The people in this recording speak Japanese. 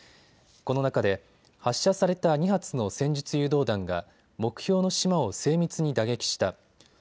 この中で発射された２発の戦術誘導弾が目標の島を精密に打撃した。